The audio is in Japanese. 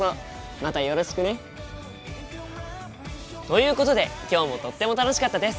またよろしくね！ということで今日もとっても楽しかったです！